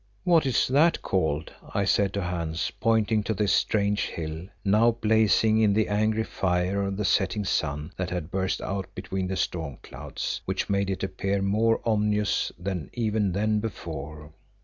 "What is that called?" I said to Hans, pointing to this strange hill, now blazing in the angry fire of the setting sun that had burst out between the storm clouds, which made it appear more ominous even than before.